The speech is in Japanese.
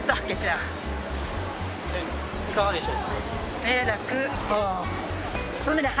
いかがでしょう？